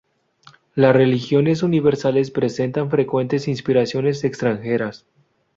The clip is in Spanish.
Las religiones universales presentan frecuentes inspiraciones extranjeras.